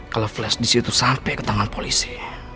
kalau flash disitu sampai ke tangan polisi